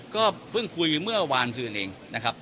ก็เพิ่งคุยเมื่อวานซืนเองนะครับ